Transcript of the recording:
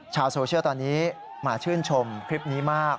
ชาวโซเชียลตอนนี้มาชื่นชมคลิปนี้มาก